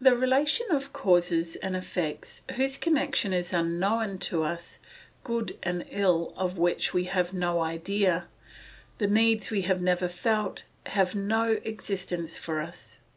The relation of causes and effects whose connection is unknown to us, good and ill of which we have no idea, the needs we have never felt, have no existence for us.